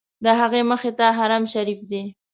د هغې مخې ته حرم شریف دی.